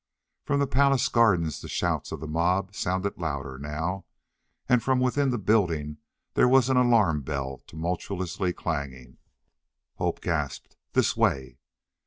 From the palace gardens the shouts of the mob sounded louder now. And from within the building there was an alarm bell tumultuously clanging. Hope gasped, "This way."